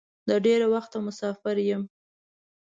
د ډېره وخته مسافر یم.